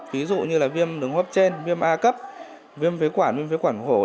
ví dụ như là viêm đường hấp trên viêm a cấp viêm phế quản viêm phế quản hổ